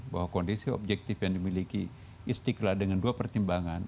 bahwa kondisi objektif yang dimiliki istiqlal dengan dua pertimbangan